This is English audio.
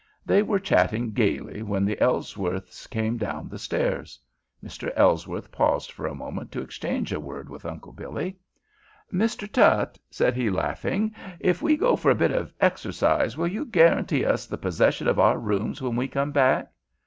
They were chatting gaily when the Ellsworths came down the stairs. Mr. Ellsworth paused for a moment to exchange a word with Uncle Billy. "Mr. Tutt," said he, laughing, "if we go for a bit of exercise will you guarantee us the possession of our rooms when we come back?"